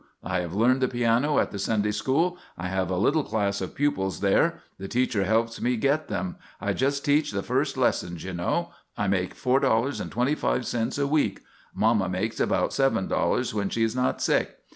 I have learned the piano at the Sunday school. I have a little class of pupils there. The teacher helps me get them. I just teach the first lessons, you know. I make $4.25 a week. Mamma makes about $7 when she is not sick.